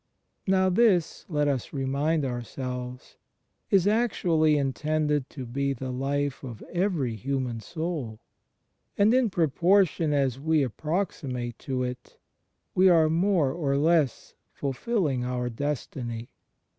Now this, let us remind ourselves, is actually intended to be the life of every human soul; and, in proportion as we approximate to it, we are more or less fulfilling our destiny.